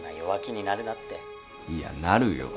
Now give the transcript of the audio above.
いやなるよ。